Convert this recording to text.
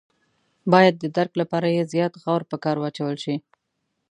باید د درک لپاره یې زیات غور په کار واچول شي.